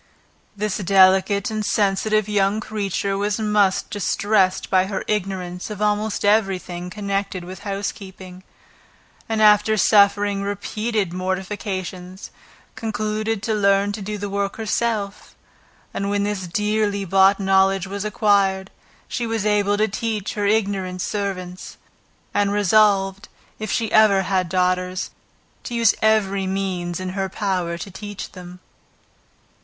This delicate and sensitive young creature was much distressed by her ignorance of almost every thing connected with housekeeping; and after suffering repeated mortifications, concluded to learn to do the work herself; and when this dearly bought knowledge was acquired, she was able to teach her ignorant servants; and resolved, if ever she had daughters, to use every means in her power to teach them.